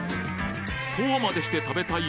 こうまでして食べたい